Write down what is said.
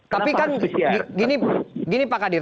tapi kan gini pak kadir